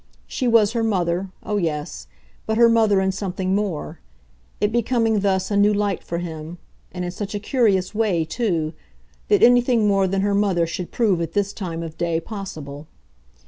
She was her mother, oh yes but her mother and something more; it becoming thus a new light for him, and in such a curious way too, that anything more than her mother should prove at this time of day possible.